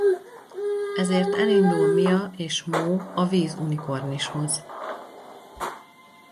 Ezért elindul Mia és Mo a Víz Unikornis-hoz.